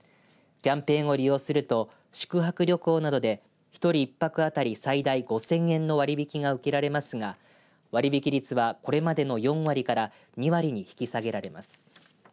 キャンペーンを利用すると宿泊旅行などで１人１泊当たり最大５０００円の割り引きが受けられますが割引率は、これまでの４割から２割に引き下げられます。